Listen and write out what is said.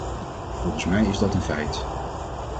Volgens mij is dat een feit.